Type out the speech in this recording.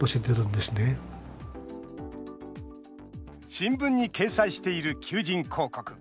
新聞に掲載している求人広告。